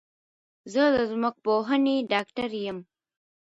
زه د ځمکپوهنې ډاکټر یم